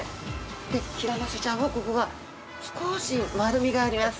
でヒラマサちゃんはここが少し丸みがあります。